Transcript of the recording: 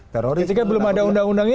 teroris juga belum ada undang undangnya